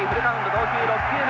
投球６球目。